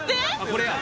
これや。